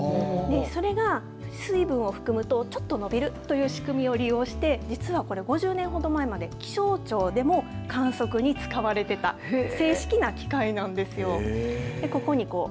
それが水分を含むとちょっと伸びるという仕組みを利用して実はこれ５０年ほど前まで気象庁でも観測に使われていた正式な機械なんですよ。